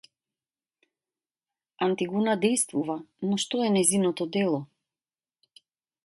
Антигона дејствува, но што е нејзиното дело?